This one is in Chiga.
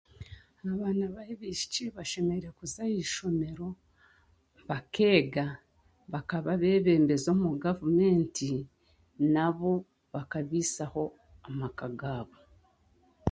Abaana b'abaishiki bashemereire kuza aha ishomero, bakeega, bakaba abeebembezi omu gavumenti nabo bakabiisaho amaka gaabo.